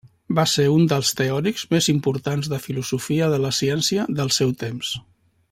Va ser un dels teòrics més importants de filosofia de la ciència del seu temps.